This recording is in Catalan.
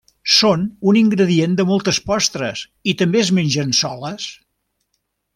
Són un ingredient de moltes postres i també es mengen soles.